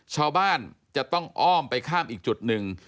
ชาวบ้านจะต้องอ้อมไปข้ามอีกจุดหนึ่ง